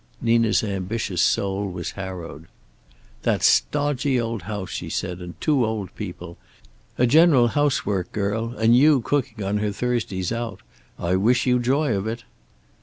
Nina's ambitious soul was harrowed. "That stodgy old house," she said, "and two old people! A general house work girl, and you cooking on her Thursdays out! I wish you joy of it."